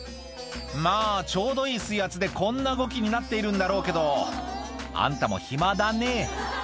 まぁちょうどいい水圧でこんな動きになっているんだろうけどあんたも暇だね